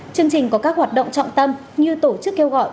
chương trình có các hoạt động trọng tâm như tổ chức kêu gọi